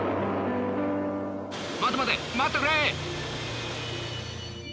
待て待て待ってくれ！